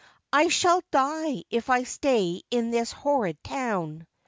' I shall die if I stay in this horrid town.'